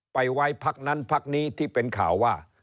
ไปไว้พักนั้นพักนี้ที่เป็นข่าวว่า